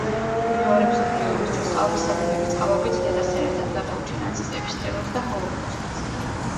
მეორე მსოფლიო ომის დროს ყალბი საბუთების წყალობით დედასთან ერთად გადაურჩა ნაცისტების ტერორს და ჰოლოკოსტს.